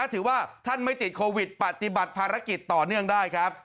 ถือว่าท่านไม่ติดโควิดปฏิบัติภารกิจต่อเนื่องได้ครับ